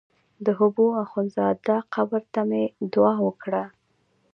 د حبو اخند زاده قبر ته مې دعا وکړه.